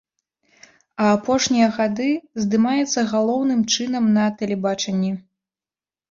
У апошнія гады здымаецца галоўным чынам на тэлебачанні.